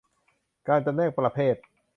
การจำแนกประเภท